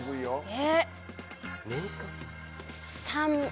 えっ。